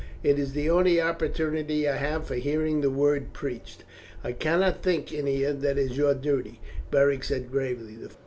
It is the only opportunity I have for hearing the Word preached." "I cannot think, Ennia, that it is your duty," Beric said gravely.